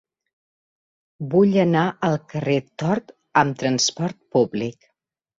Vull anar al carrer de Tort amb trasport públic.